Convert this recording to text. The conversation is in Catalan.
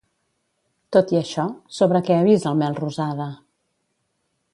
Tot i això, sobre què avisa el Melrosada?